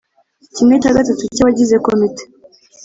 kimwe cya gatatu cy abagize Komite